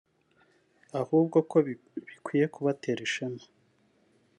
ahubwo ko bikwiye kubatera ishema